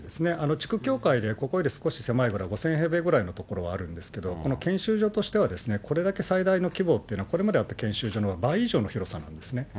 地区教会で、ここより少し狭いぐらい、５０００平米ぐらいの所はあるんですけれども、この研修所としては、これだけ最大の規模っていうのは、これまであった研修所の倍以上の広さなんですね。